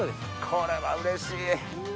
これはうれしい！